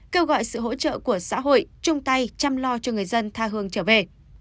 kêu gọi sự hỗ trợ của xã hội chung tay chăm lo cho người dân tha hương trở về